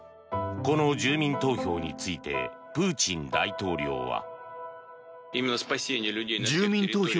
この住民投票についてプーチン大統領は。